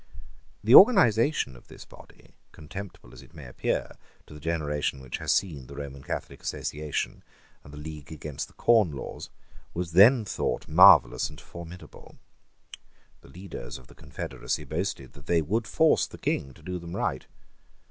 The organization of this body, contemptible as it may appear to the generation which has seen the Roman Catholic Association and the League against the Corn Laws, was then thought marvellous and formidable. The leaders of the confederacy boasted that they would force the King to do them right.